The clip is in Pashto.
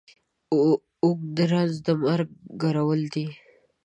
اوږ د رنځ د مرگ کرول دي.